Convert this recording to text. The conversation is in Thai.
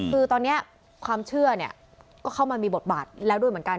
คือตอนนี้ความเชื่อเนี่ยก็เข้ามามีบทบาทแล้วด้วยเหมือนกัน